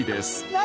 何？